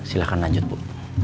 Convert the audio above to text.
silahkan lanjut bu